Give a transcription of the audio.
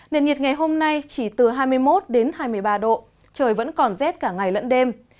nền nhiệt ngày hôm nay chỉ từ hai mươi một hai mươi ba độ trời vẫn còn rét cả ngày lẫn đêm